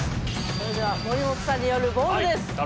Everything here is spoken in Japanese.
それでは森本さんによる「ボール」です。